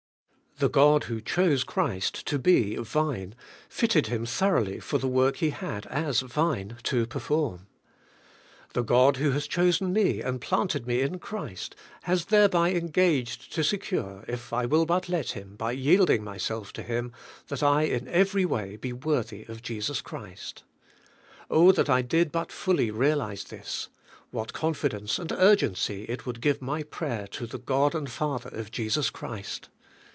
The God who chose Christ to be Vine fitted Him thoroughly for the work He had as Vine to perform. The God who has chosen me and planted me in Christ, has thereby engaged to secure, if I will but let Him, by yielding myself to Him, that I in every way be worthy of Jesus Christ. Oh that I did but fully realize this! What confidence and urgency it would give my prayer to the God and Father of Jesus Christ!